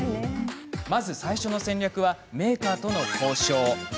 まず最初の戦略はメーカーとの交渉。